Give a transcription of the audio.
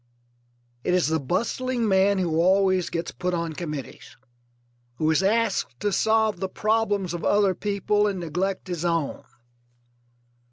It is the bustling man who always gets put on committees, who is asked to solve the problems of other people and neglect his own.